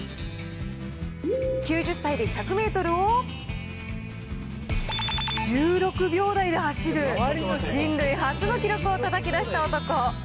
９０歳で１００メートルを１６秒台で走る、人類初の記録をたたき出した男。